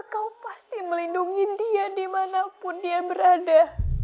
kau pasti melindungi dia dimanapun dia berada